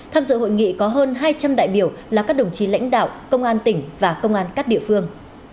tham dự hội nghị có hơn hai trăm linh đại biểu là các đồng chí lãnh đạo công an tỉnh và công an các địa phương